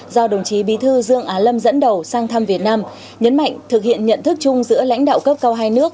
do đồng chí bí thư dương á lâm dẫn đầu sang thăm việt nam nhấn mạnh thực hiện nhận thức chung giữa lãnh đạo cấp cao hai nước